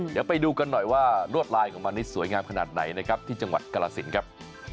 เดี๋ยวไปดูกันหน่อยว่าลวดลายของมันนี่สวยงามขนาดไหนนะครับที่จังหวัดกรสินครับ